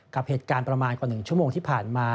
กับเหตุการณ์ประมาณกว่า๑ชั่วโมงที่ผ่านมา